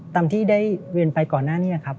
ตามที่ได้เรียนไปก่อนหน้านี้ครับ